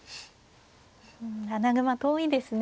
穴熊遠いですね。